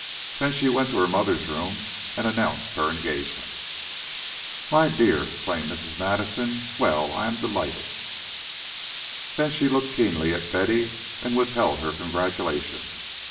Then she went to her mother's room and announced her engagement. "My dear!" exclaimed Mrs. Madison. "Well! I am delighted." Then she looked keenly at Betty and withheld her congratulations.